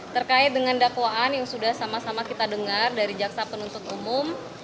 terkait dengan dakwaan yang sudah sama sama kita dengar dari jaksa penuntut umum